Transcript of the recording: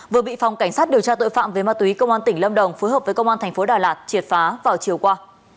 vừa bị phòng cảnh sát điều tra tội phạm về ma túy công an tỉnh lâm đồng phối hợp với công an thành phố đà lạt triệt phá vào chiều qua